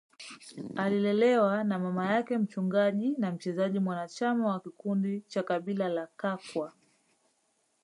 Alilelewa na mama yake mchungaji na mchezaji mwanachama wa kikundi cha kabila la Kakwa